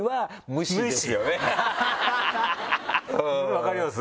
分かります？